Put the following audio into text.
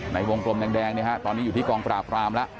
ในวงกลมแดงตอนนี้อยู่ที่กองปราบรามแล้ว